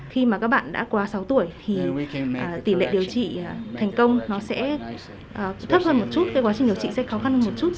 khi mà các bạn đã quá sáu tuổi thì tỷ lệ điều trị thành công nó sẽ thấp hơn một chút cái quá trình điều trị sẽ khó khăn hơn một chút